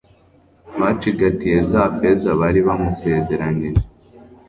bacigatiye za feza bari bamusezeranyije